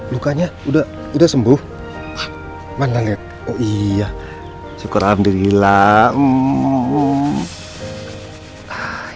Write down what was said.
lukanya udah udah sembuh mana lihat oh iya syukur alhamdulillah